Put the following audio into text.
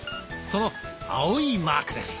その青いマークです。